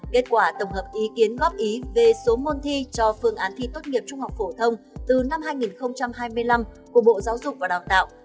kết quả tổng hợp ý kiến góp ý về số môn thi cho phương án thi tốt nghiệp trung học phổ thông từ năm hai nghìn hai mươi năm của bộ giáo dục và đào tạo